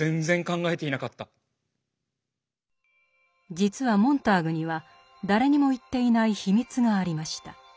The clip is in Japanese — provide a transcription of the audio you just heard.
実はモンターグには誰にも言っていない秘密がありました。